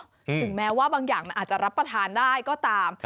ถึงแม้ว่าบางอย่างมันอาจจะรับประทานได้ก็ตาม